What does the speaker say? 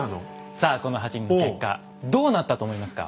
さあこの８人の結果どうなったと思いますか？